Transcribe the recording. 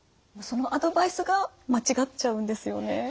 そのアドバイスが間違っちゃうんですよね。